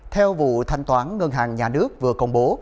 theo vụ thanh toán ngân hàng nhà nước vừa công bố